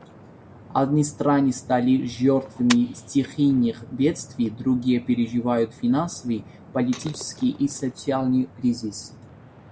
Одни страны стали жертвами стихийных бедствий, другие переживают финансовый, политический и социальный кризис.